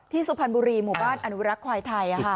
สุพรรณบุรีหมู่บ้านอนุรักษ์ควายไทย